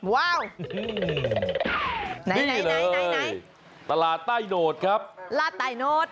ว้าวนี่เลยไหนตลาดใต้โนธครับลาดใต้โนธ